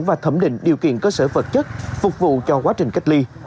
và thẩm định điều kiện cơ sở vật chất phục vụ cho quá trình cách ly